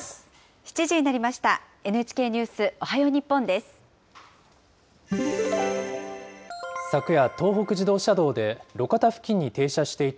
７時になりました。